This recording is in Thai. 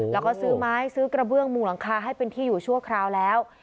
แล้วก็ซื้อไม้ซื้อกระเบื้องมูหลังคาให้เป็นที่อยู่ชั่วคราวแล้ว